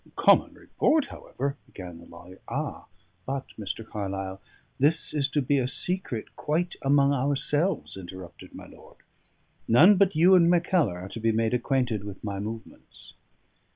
"Common report, however " began the lawyer. "Ah! but, Mr. Carlyle, this is to be a secret quite among ourselves," interrupted my lord. "None but you and Mackellar are to be made acquainted with my movements."